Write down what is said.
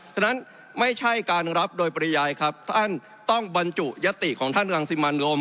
ฉะนั้นไม่ใช่การรับโดยปริยายครับท่านต้องบรรจุยติของท่านรังสิมันโรม